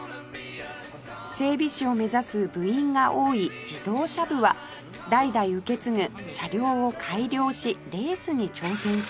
整備士を目指す部員が多い自動車部は代々受け継ぐ車両を改良しレースに挑戦しています